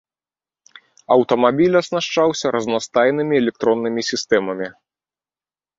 Аўтамабіль аснашчаўся разнастайнымі электроннымі сістэмамі.